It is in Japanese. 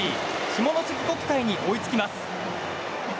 下関国際に追いつきます。